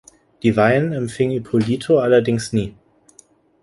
Die Weihen empfing Ippolito allerdings nie.